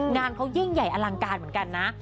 งานเขายิ่งใหญ่อลังการเหมือนกันนะ